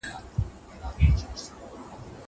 زه به سبا د ښوونځی لپاره امادګي نيسم وم.